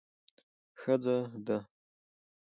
ښځه ده.